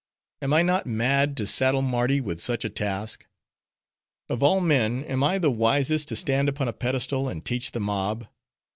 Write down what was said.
Am I not mad to saddle Mardi with such a task? Of all men, am I the wisest, to stand upon a pedestal, and teach the mob?